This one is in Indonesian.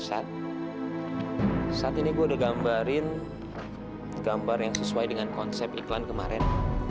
saat ini gue udah gambarin gambar yang sesuai dengan konsep iklan kemarin